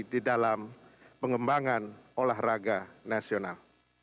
di dalam pengembangan olahraga nasional